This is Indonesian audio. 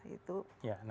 itu pasti ada dasarnya